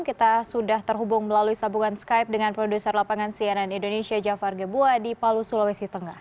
kita sudah terhubung melalui sambungan skype dengan produser lapangan cnn indonesia jafar gebua di palu sulawesi tengah